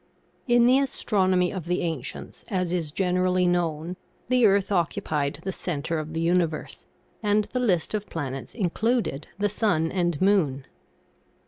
In the astronomy of the ancients, as is generally known, the earth occupied the center of the universe, and the list of planets included the sun and moon.